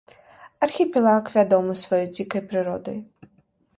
Архіпелаг вядомы сваёй дзікай прыродай.